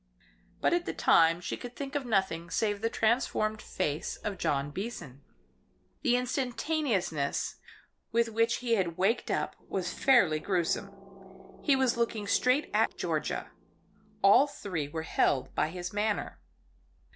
But at the time she could think of nothing save the transformed face of John Beason. The instantaneousness with which he had waked up was fairly gruesome. He was looking straight at Georgia; all three were held by his manner.